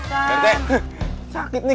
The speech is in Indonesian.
pak rete sakit nih